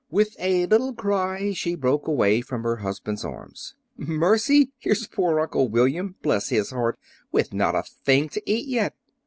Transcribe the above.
With a little cry she broke away from her husband's arms. "Mercy! and here's poor Uncle William, bless his heart, with not a thing to eat yet!"